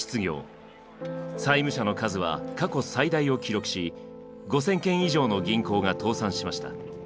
債務者の数は過去最大を記録し５，０００件以上の銀行が倒産しました。